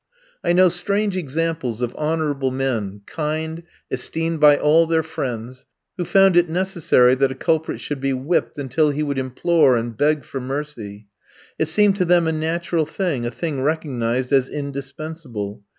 I know strange examples of honourable men, kind, esteemed by all their friends, who found it necessary that a culprit should be whipped until he would implore and beg for mercy; it seemed to them a natural thing, a thing recognised as indispensable.